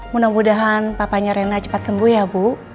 mudah mudahan papanya rena cepat sembuh ya bu